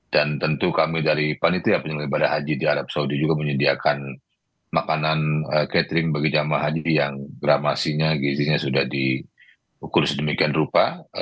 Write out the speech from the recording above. dan tentu kami dari panitia penyelenggara haji di arab saudi juga menyediakan makanan catering bagi jemaah haji yang gramasinya gizinya sudah diukur sedemikian rupa